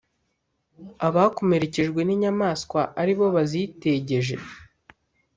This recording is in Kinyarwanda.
’abakomerekejwe n’inyamaswa ari bo bazitegeje?